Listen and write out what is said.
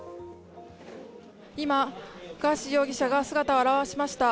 今、ガーシー容疑者が姿を現しました。